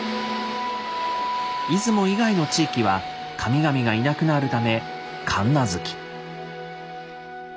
出雲以外の地域は神々がいなくなるため「神無月」。